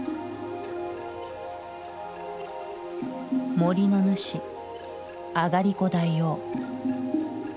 森の主あがりこ大王。